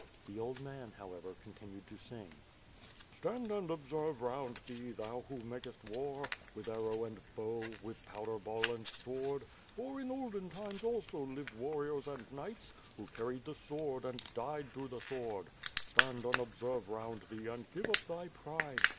The old man, however, continued to sing — Stand and observe round thee, thon who makest war With arrow and bow, with powder baU and sword For in olden times also lived warriors and knights. Who carried the sword and died through the swora I Stand and observe round thee and give up thy pride.